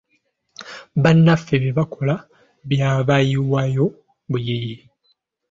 Bannaffe bye baakola byabayiwayo buyiyi!